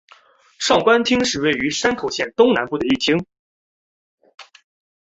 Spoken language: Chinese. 上关町是位于山口县东南部的一町。